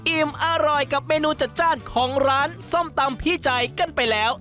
อิ่มอร่อยกับเมนูจัดจ้านของร้านส้มตำพี่ใจกันไปแล้ว